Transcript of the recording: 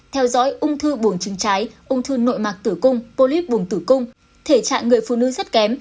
theo dõi ung thư buồng trứng trái ung thư nội mạc tử cung polyp buồn tử cung thể trạng người phụ nữ rất kém